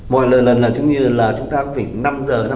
mọi lần là chúng ta cũng phải